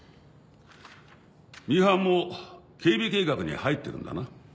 ミハンも警備計画に入ってるんだな。